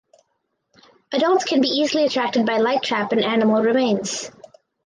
Adults can be easily attracted by light trap and animal remains.